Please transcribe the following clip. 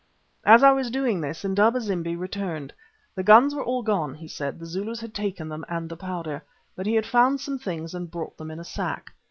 As I was doing this, Indaba zimbi returned. The guns were all gone; he said the Zulus had taken them and the powder. But he had found some things and brought them in a sack.